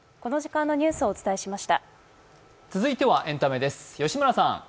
続いてはエンタメです。